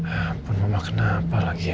ampun mama kena apa lagi ya